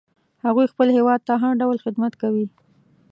هغوی خپل هیواد ته هر ډول خدمت کوي